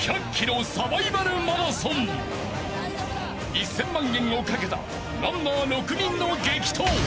［１，０００万円を懸けたランナー６人の激闘］